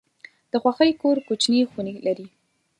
د خوښۍ کور کوچني خونې لري.